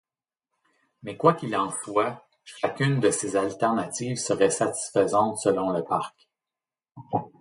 Mais quoi qu’il en soit, chacune de ces alternatives serait satisfaisante selon le parc.